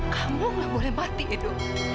kamu gak boleh mati itu